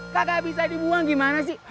kagak bisa dibuang gimana sih